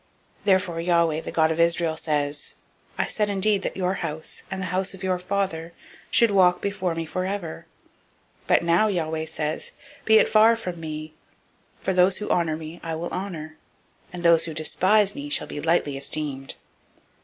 002:030 Therefore Yahweh, the God of Israel, says, I said indeed that your house, and the house of your father, should walk before me forever: but now Yahweh says, Be it far from me; for those who honor me I will honor, and those who despise me shall be lightly esteemed.